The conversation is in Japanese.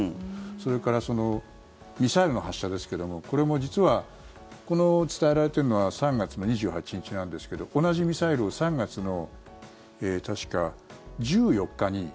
それからミサイルの発射ですけどもこれも実は、伝えられているのは３月の２８日なんですけど同じミサイルを３月の確か１４日に。